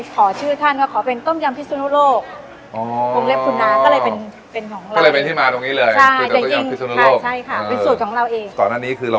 ข้าวทานที่บ้านครับก็เลยเออลองทำอย่างงี้อย่างงี้อืม